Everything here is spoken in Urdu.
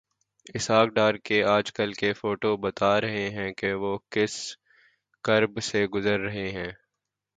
اسحاق ڈار کے آج کل کے فوٹوبتا رہے ہیں کہ وہ کس کرب سے گزر رہے ہیں۔